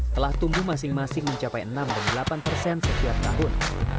telah tumbuh masing masing mencapai enam dan delapan persen setiap tahun